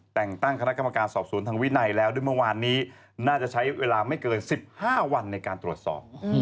แต่งตั้งคณะกรรมการสอบสวนทางวินัยแล้วด้วยเมื่อวานนี้น่าจะใช้เวลาไม่เกิน๑๕วันในการตรวจสอบ